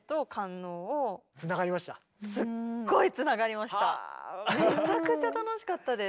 すごいめちゃくちゃ楽しかったです。